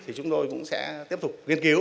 thì chúng tôi cũng sẽ tiếp tục